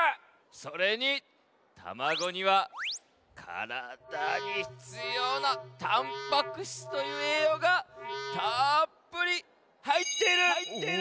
それにたまごにはからだにひつような「タンパク質」というえいようがたっぷりはいっている！